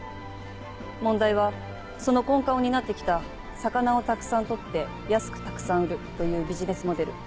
問題はその根幹を担って来た「魚をたくさん取って安くたくさん売る」というビジネスモデル